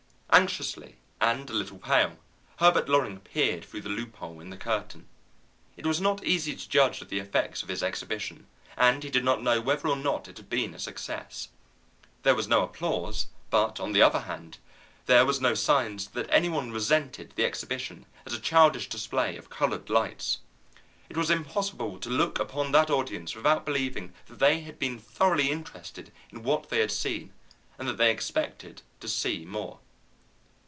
Anxiously, and a little pale, Herbert Loring peered through the loophole in the curtain. It was not easy to judge of the effects of his exhibition, and he did not know whether or not it had been a success. There was no applause, but, on the other hand, there was no signs that any one resented the exhibition as a childish display of colored lights. It was impossible to look upon that audience without believing that they had been thoroughly interested in what they had seen, and that they expected to see more.